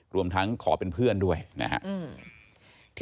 รวมทั้งขอเป็นเพื่อนด้วยนะครับ